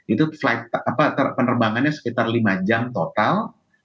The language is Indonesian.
itu flight penerbangannya sekitar lima jam total